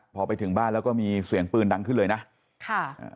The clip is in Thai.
พอไปถึงบ้านแล้วก็มีเสียงปืนดังขึ้นเลยนะค่ะอ่า